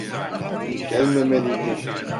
Gelmemeliydin.